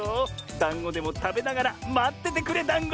だんごでもたべながらまっててくれだんご！